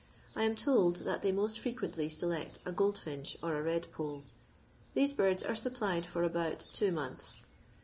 I am told that thej meat frequentlx leleet a goldfinch or a vedpole. Theee biidf are rapplied for about two Donthi.